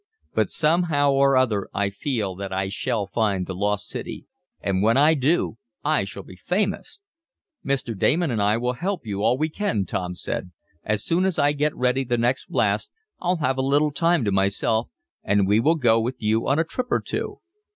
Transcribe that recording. But, somehow or other, I feel that I shall find the lost city. And when I do I shall be famous!" "Mr. Damon and I will help you all we can," Tom said. "As soon as I get ready the next blast I'll have a little time to myself, and we will go with you on a trip or two."